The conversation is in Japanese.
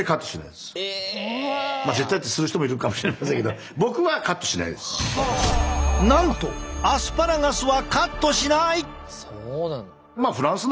まあ絶対ってする人もいるかもしれませんけどなんとアスパラガスはカットしない！